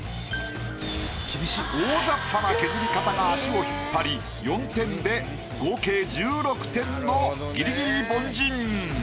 大ざっぱな削り方が足を引っ張り４点で合計１６点のギリギリ凡人。